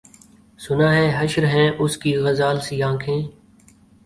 سُنا ہے حشر ہیں اُس کی غزال سی آنکھیں